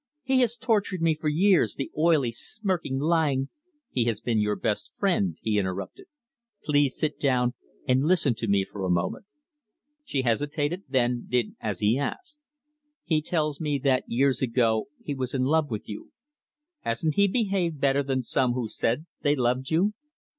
"He has tortured me for years, the oily, smirking, lying " "He has been your best friend," he interrupted. "Please sit down, and listen to me for a moment." She hesitated, then did as he asked. "He tells me that years ago he was in love with you. Hasn't he behaved better than some who said they loved you?"